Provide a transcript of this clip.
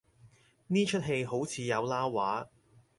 呢齣戲好似有撈話